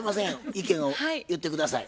意見を言って下さい。